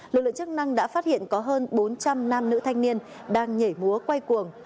lực lượng chức năng đã phát hiện có hơn bốn trăm linh nam nữ thanh niên đang nhảy múa quay cuồng